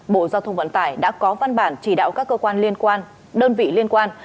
bộ giao thông vận tải đã có văn bản chỉ đạo các cơ quan liên quan đơn vị liên quan